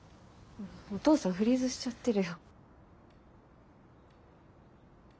お父さんフリーズしちゃってるよ。